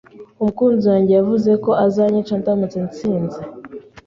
Umukunzi wanjye yavuze ko azanyica ndamutse nsinze.